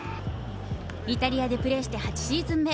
イタリアでプレーして８シーズン目。